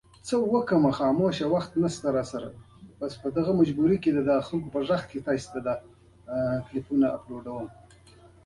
څو ډوله ګرم سره شراب به مو څښل چې ګلووېن بلل کېدل.